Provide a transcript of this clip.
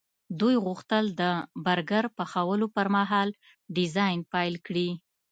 دوی غوښتل د برګر پخولو پرمهال ډیزاین پیل کړي